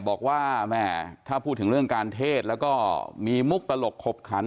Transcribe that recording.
บอกว่าแม่ถ้าพูดถึงเรื่องการเทศแล้วก็มีมุกตลกขบขัน